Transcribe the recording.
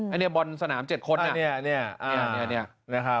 อันนี้บอลสนาม๗คนนะ